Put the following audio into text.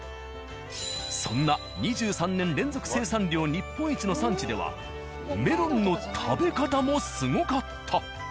そんな２３年連続生産量日本一の産地ではメロンの食べ方もすごかった。